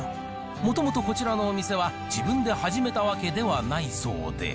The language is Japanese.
もともとこちらのお店は自分で始めたわけではないそうで。